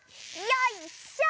よいしょ！